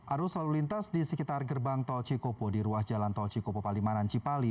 arus lalu lintas di sekitar gerbang tol cikopo di ruas jalan tol cikopo palimanan cipali